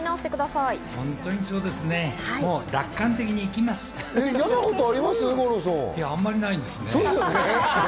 いや、あんまりないんですね。